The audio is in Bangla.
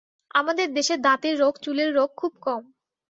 আমাদের দেশে দাঁতের রোগ, চুলের রোগ খুব কম।